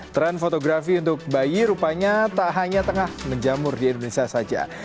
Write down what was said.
tren fotografi untuk bayi rupanya tak hanya tengah menjamur di indonesia saja